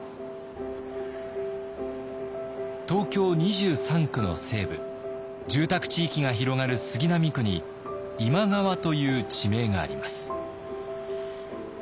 東京２３区の西部住宅地域が広がる杉並区に今川という地名があります。